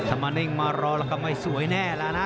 มานิ่งมารอแล้วก็ไม่สวยแน่แล้วนะ